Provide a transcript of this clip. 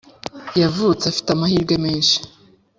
yavutse afite amahirwe menshi